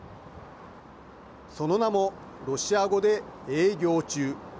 その名もロシア語で営業中。